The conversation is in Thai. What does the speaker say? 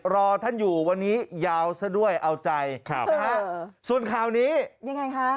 รอท่านอยู่วันนี้ยาวซะด้วยเอาใจครับนะฮะส่วนข่าวนี้ยังไงคะ